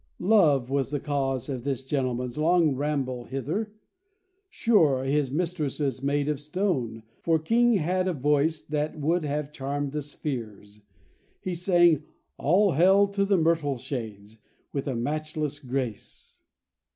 —Love was the cause of this gentleman's long ramble hither. Sure his mistress was made of stone, for King had a voice would have charmed the spheres; he sang "All hail to the Myrtle Shades" with a matchless grace.